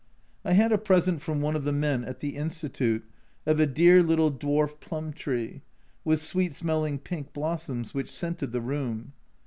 I had a present from one of the men at the Institute of a dear little dwarf plum tree, with sweet smelling pink blossoms, which scented the room.